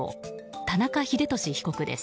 田中英寿被告です。